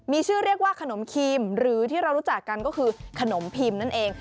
มีชื่อเรียกว่าขนมครีมหรือที่เรารู้จักกันก็คือขนมพิมพ์นั่นเอง